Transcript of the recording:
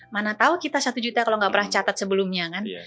mana tahu kita satu juta kalau nggak pernah catat sebelumnya kan